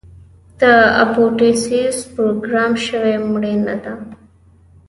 د اپوپټوسس پروګرام شوې مړینه ده.